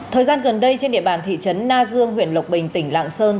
thời gian gần đây trên địa bàn thị trấn na dương huyện lộc bình tỉnh lạng sơn